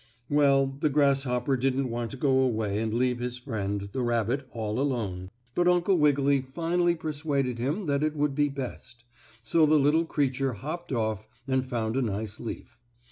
Well, the grasshopper didn't want to go away and leave his friend, the rabbit, all alone, but Uncle Wiggily finally persuaded him that it would be best, so the little creature hopped off and found a nice leaf.